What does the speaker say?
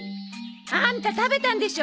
アンタ食べたんでしょ？